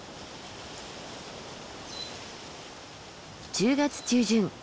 １０月中旬